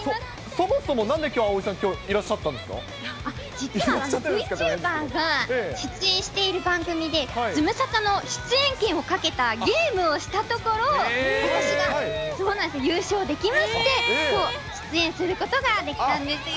そもそもなんできょう、葵さん、実は、Ｖチューバーが出演している番組で、ズムサタの出演権をかけたゲームをしたところ、私が優勝できまして、きょう出演することができたんですよ。